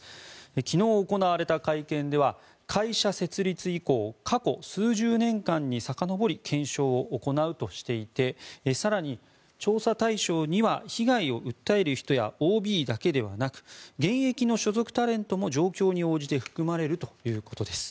昨日行われた会見では会社設立以降過去数十年間にさかのぼり検証を行うとしていて更に、調査対象には被害を訴える人やＯＢだけではなく現役の所属タレントも状況に応じて含まれるということです。